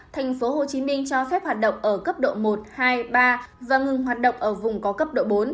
tp hcm cho phép hoạt động ở cấp độ một hai ba và ngừng hoạt động ở vùng có cấp độ bốn